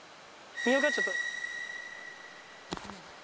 見よかちょっと。